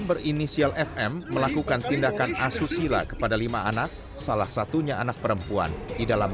berinisial fm melakukan tindakan asusila kepada lima anak salah satunya anak perempuan di dalam